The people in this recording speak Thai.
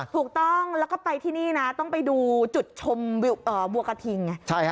ถูกต้องแล้วก็ไปที่นี่นะต้องไปดูจุดชมบัวกระทิงไง